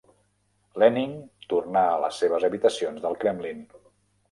Lenin tornà a les seves habitacions del Kremlin.